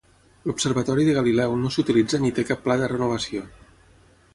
L'observatori de Galileu no s'utilitza ni té cap pla de renovació.